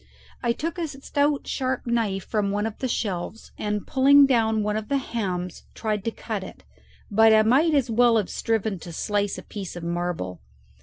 I took a stout sharp knife from one of the shelves, and pulling down one of the hams tried to cut it, but I might as well have striven to slice a piece of marble.